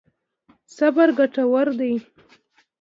صبر ګټور دی.